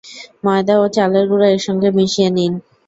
ময়দা ও চালের গুঁড়া একসঙ্গে মিশিয়ে নিন।